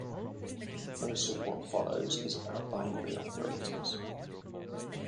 Most of what follows is about binary operators.